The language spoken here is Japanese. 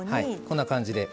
こんな感じで。